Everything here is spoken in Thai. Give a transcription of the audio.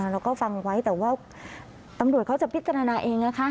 เราก็ฟังไว้แต่ว่าตำรวจเขาจะพิจารณาเองนะคะ